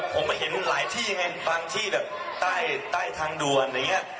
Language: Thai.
ผมเห็นหลายที่ไงบางที่แบบใต้ทางดวนอย่างเงี้ย